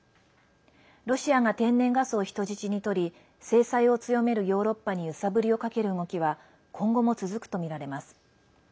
ロシアが天然ガスを人質にとり制裁を強めるヨーロッパに揺さぶりをかける動きは今後も続くとみられます。